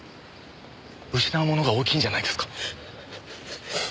失うものが大きいんじゃないですか？